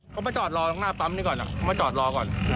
เขามาจอดรอตรงหน้าปั๊มนี้ก่อนมาจอดรอก่อน